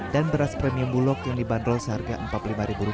dan beras premium bulog yang dibanderol seharga rp empat puluh lima per lima kilogramnya